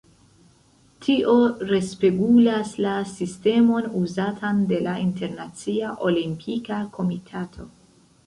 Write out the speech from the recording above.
Tio respegulas la sistemon uzatan de la Internacia Olimpika Komitato.